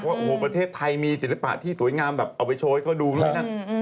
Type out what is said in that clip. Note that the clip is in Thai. ว่าโอ้โฮประเทศไทยมีศิษย์ภาคที่ถู๊ยงามแบบเอาไว้โชว์ให้เขาดูด้วยนะ